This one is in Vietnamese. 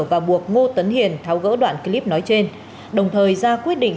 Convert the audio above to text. và buộc ngô tấn hiền tháo gỡ đoạn clip nói trên đồng thời ra quyết định